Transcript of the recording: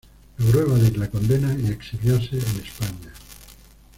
Logró evadir la condena y exiliarse en España.